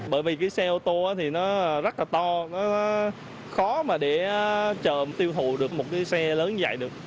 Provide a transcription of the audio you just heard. bởi vì cái xe ô tô thì nó rất là to nó khó mà để tiêu thụ được một cái xe lớn như vậy được